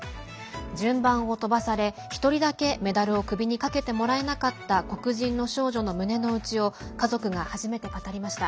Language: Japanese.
順番を飛ばされ１人だけ、メダルを首にかけてもらえなかった黒人の少女の胸の内を家族が初めて語りました。